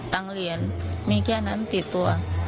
เหรียญมีแค่นั้นติดตัว